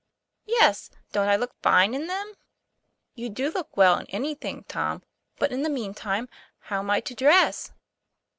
' Yes ; don't I look fine in them ?"' You'd look well in anything, Tom. But in the mean time, how am I to dress